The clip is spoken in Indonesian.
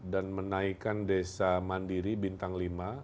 dan menaikan desa mandiri bintang lima